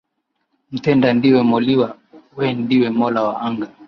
Mtenda ndiwe Moliwa, we ndiwe Mola wa anga